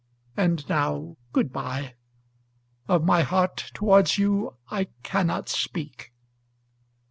And now good bye. Of my heart towards you I cannot speak."